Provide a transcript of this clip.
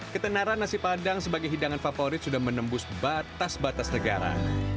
ketenaran nasi padang sebagai hidangan favorit sudah menembus batas batas negara